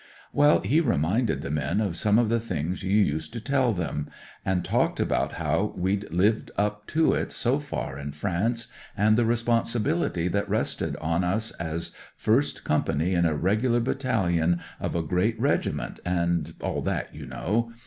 " Well, he reminded the men of some of the things you used to tell 'em, and talked about how we'd lived up to it so far in France, and the responsibility that rested on us as first Company in a Regular Battalion of a great Regiment and all that, you know.